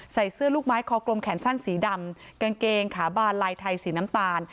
ใส่เสื้อลูกไม้คอกลมแขนสั้นสีดำกางเกงขาบานลายไทยสีน้ำตาล